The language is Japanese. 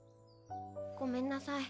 ごめんなさい